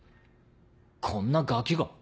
こんなガキが？